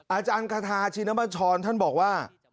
อาจารย์คาทาชินบัชรท่านบอกว่า